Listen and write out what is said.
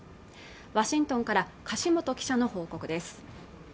ワシントンから樫元記者の報告です